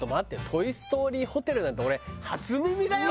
トイ・ストーリーホテルなんて俺初耳だよ！